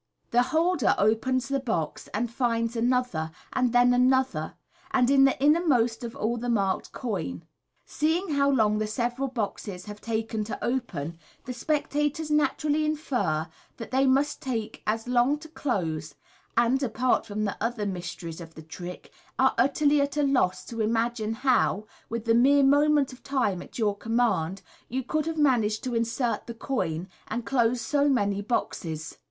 The holder opens the box, and finds another, and then another, and in the innermDSt of all the marked coin. Seeing how long the several boxes have taken to open, the spectators naturally infer that they must take as long to close, and (apart from the other mysteries of the trick), are utterly at a loss to imagine how, with the mere moment of time at your command, you could have managed to insert the coin, and close so many boxes.